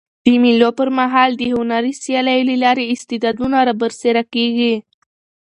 د مېلو پر مهال د هنري سیالیو له لاري استعدادونه رابرسېره کېږي.